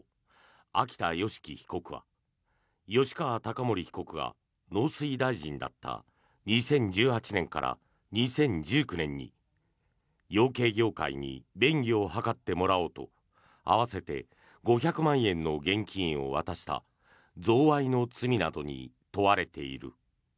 秋田善祺被告は吉川貴盛被告が農水大臣だった２０１８年から２０１９年に養鶏業界に便宜を図ってもらおうと合わせて５００万円の現金を渡した贈賄の罪などに問われている。